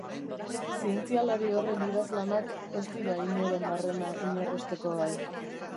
Zientzialari horren idazlanak ez dira inoren barrena inarrosteko gai.